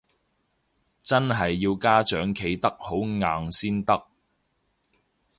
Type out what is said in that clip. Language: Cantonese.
真係要家長企得好硬先得